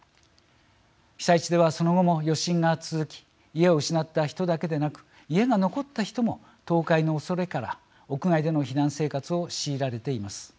被災地では、その後も余震が続き家を失った人だけでなく家が残った人も倒壊の恐れから屋外での避難生活を強いられています。